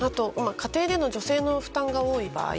家庭での女性での負担が多い場合